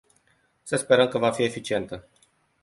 Să sperăm că va fi eficientă.